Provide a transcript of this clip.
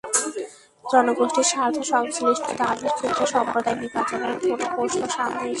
জনগোষ্ঠীর স্বার্থ-সংশ্লিষ্ট দাবির ক্ষেত্রে সম্প্রদায় বিভাজনের কোনো প্রশ্ন সামনে এসে দাঁড়ায়নি।